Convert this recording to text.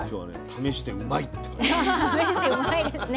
「ためしてうまいッ！」ですね。